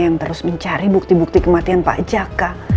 yang terus mencari bukti bukti kematian pak jaka